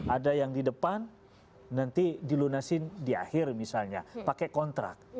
ada yang di depan nanti dilunasin di akhir misalnya pakai kontrak